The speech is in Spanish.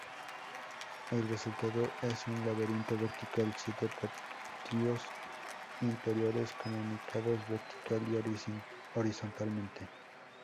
El resultado es un laberinto vertical siete patios interiores comunicados vertical y horizontalmente.